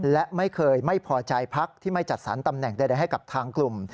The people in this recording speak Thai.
และไม่เคยไม่พอใจพักที่ไม่จัดสรรตำแหน่งใดให้กับทางกลุ่ม